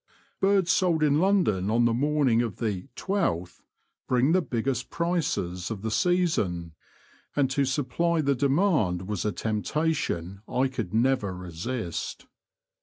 Birds sold in London on the morning of the ''Twelfth" bring the big gest prices of the season, and to supply the demand was a temptation I could never resist.